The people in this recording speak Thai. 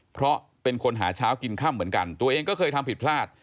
เพราะเป็นคนหาเช้ากินค่ำเหมือนกันตัวเองก็เคยทำผิดพลาด